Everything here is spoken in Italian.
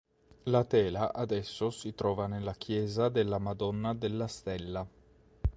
La tela adesso si trova nella chiesa della Madonna della Stella.